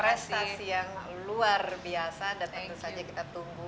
prestasi yang luar biasa dan tentu saja kita tunggu